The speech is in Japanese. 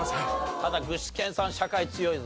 ただ具志堅さん社会強いぞ。